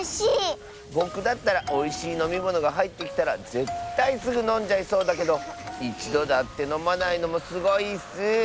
ぼくだったらおいしいのみものがはいってきたらぜったいすぐのんじゃいそうだけどいちどだってのまないのもすごいッス。